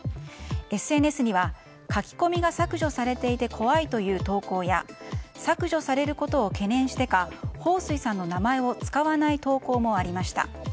ＳＮＳには書き込みが削除されていて怖いという投稿や削除されることを懸念してかホウ・スイさんの名前を使わない投稿もありました。